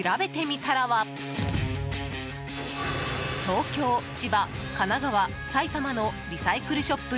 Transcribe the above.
東京、千葉、神奈川、埼玉のリサイクルショップ